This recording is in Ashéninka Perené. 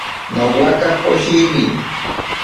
Nowaka poshini.